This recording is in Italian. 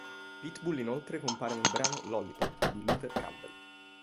Pitbull inoltre compare nel brano "Lollipop" di Luther Campbell.